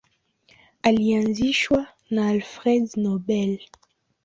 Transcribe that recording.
Ilianzishwa na Alfred Nobel.